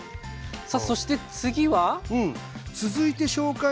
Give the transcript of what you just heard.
さあそして次は。